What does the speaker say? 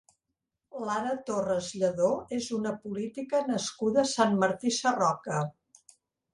Lara Torres Lledó és una política nascuda a Sant Martí Sarroca.